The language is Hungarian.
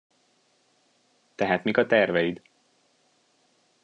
Tehát mik a terveid?